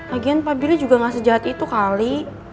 lagian pak bili juga gak sejahat itu kali